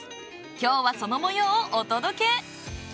今日はその模様をお届け。